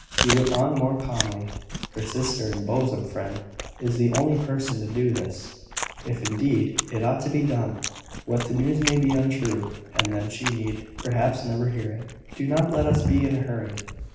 He went on more calmly: "Her sister and bosom friend is the only person to do this if, indeed, it ought to be done. But the news may be untrue; and then she need perhaps never hear it. Do not let us be in a hurry."